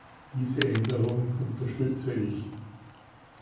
Diese Änderung unterstütze ich.